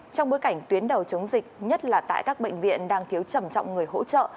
trong bối cảnh tuyến đầu chống dịch nhất là tại các bệnh viện đang thiếu trầm trọng người hỗ trợ